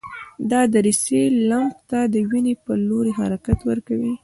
دا دریڅې لمف ته د وینې په لوري حرکت ورکوي.